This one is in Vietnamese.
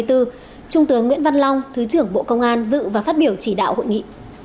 trung tướng nguyễn văn long thứ trưởng bộ công an dự và phát biểu chỉ đạo hội nghị